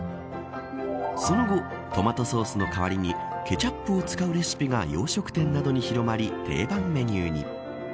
その後、トマトソースの代わりにケチャップを使うレシピが洋食店などに広まり定番メニューに。